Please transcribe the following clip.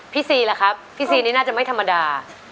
ซีล่ะครับพี่ซีนี่น่าจะไม่ธรรมดา